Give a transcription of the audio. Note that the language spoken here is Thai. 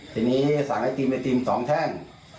ทีนี้สั่งไอติม๒แท่ง